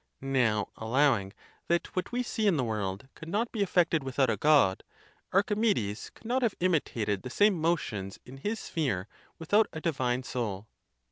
Now, allowing that what we see in the world could not be effected without a God, Archi medes could not have imitated the same motions in his sphere without a divine soul.